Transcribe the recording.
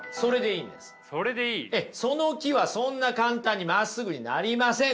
その木はそんな簡単にまっすぐになりません